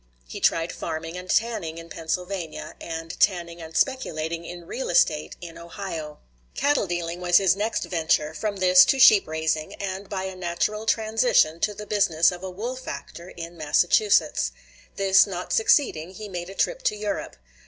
He tried farming and tanning in Pennsylvania, and tanning and speculating in real estate in Ohio. Cattle dealing was his next venture; from this to sheep raising; and by a natural transition to the business of a wool factor in Massachusetts. This not succeeding, he made a trip to Europe.